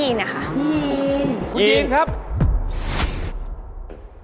พี่ยีนค่ะพี่ยีนค่ะคุณยีนครับคุณยีน